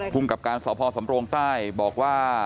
คุมกับการสภาพสำโลงใต้บอกว่า